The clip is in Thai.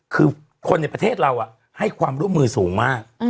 คือคนในประเทศเราให้ความร่วมมือสูงมาก